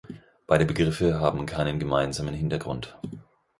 Beide Begriffe haben keinen gemeinsamen Hintergrund.